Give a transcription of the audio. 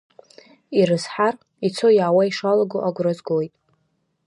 Ирызҳар, ицо-иаауа ишалаго агәра згоит.